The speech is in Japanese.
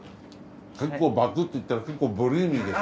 結構バクっていったら結構ボリューミーですね。